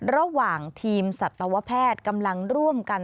ระหว่างทีมสัตวแพทย์กำลังร่วมกัน